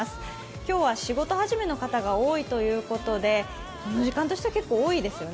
今日は仕事始めの方が多いということで、この時間としては結構、多いですよね。